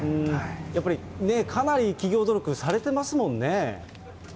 やっぱりかなり企業努力されてますもんね。